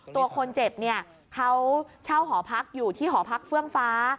ตัวคนเจ็บเนี่ยเขาเช่าหอพักอยู่ที่หอพักเฟื่องฟ้า